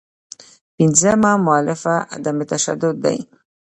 پنځمه مولفه عدم تشدد دی.